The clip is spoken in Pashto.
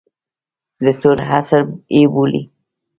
د ترور عصر یې بولي.